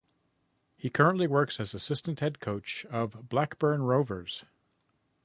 He currently works as assistant head coach of Blackburn Rovers.